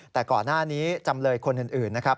แต่ก่อนหน้านี้จำเลยคนอื่นนะครับ